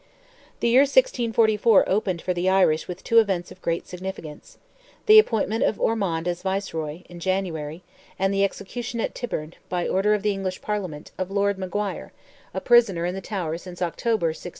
The year 1644 opened for the Irish with two events of great significance—the appointment of Ormond as Viceroy, in January, and the execution at Tyburn, by order of the English Parliament, of Lord Maguire, a prisoner in the Tower since October, 1641.